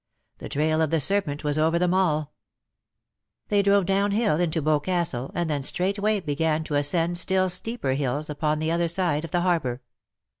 The trail of the serpent was over them all \" They drove down hill into Boscastle^ and then straightway began to ascend still steeper hills upon the other side of the harbour.